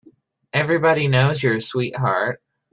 Everybody knows you're a sweetheart.